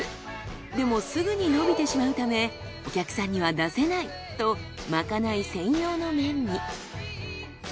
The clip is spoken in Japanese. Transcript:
でもすぐに伸びてしまうためお客さんには出せないとまかない専用の麺に。